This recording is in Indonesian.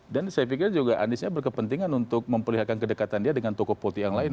dan saya pikir juga anies nya berkepentingan untuk memperlihatkan kedekatan dia dengan tokoh politik yang lain